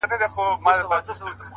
کاينات راڅه هېريږي ورځ تېرېږي!